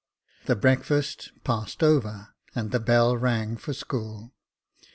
The breakfast passed over, and the bell rang for school.